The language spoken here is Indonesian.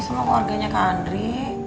sama keluarganya kak andri